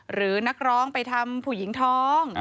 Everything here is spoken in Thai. หรือนักร้องไปทำผู้หญิงท้อง